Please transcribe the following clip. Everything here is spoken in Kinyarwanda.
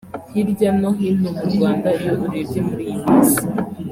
Hirya no hino mu Rwanda iyo urebye muri iyi minsi